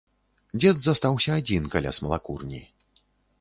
Дзед застаўся адзін каля смалакурні.